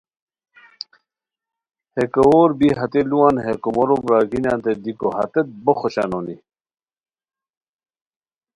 ہے کوؤر بی ہتے لوُان ہے کومورو برارگینیانتے دیکو ہتیت بو خوشان ہونی